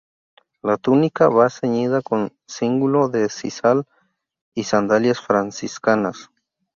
La túnica va ceñida con cíngulo de sisal y sandalias franciscanas.